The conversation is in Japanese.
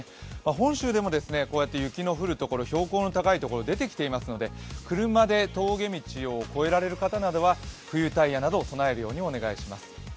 本州でも雪の降る所、標高の高い所、出てきていますので車で峠道を越えられる方などは冬タイヤなどを備えるようにお願いします。